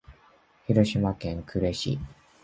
広島県呉市